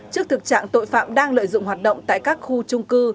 trước thực trạng tội phạm đang lợi dụng hoạt động tại các khu trung cư